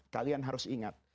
kalian harus ingat